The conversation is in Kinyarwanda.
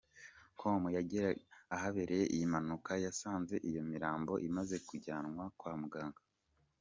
com yageraga ahabereye iyi mpanuka, yasanze iyo mirambo imaze kujyanywa kwa muganga.